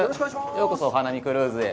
ようこそ、お花見クルーズへ。